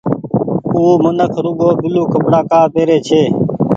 او منک رڳو بيلو ڪپڙآ ڪآ پيري ڇي۔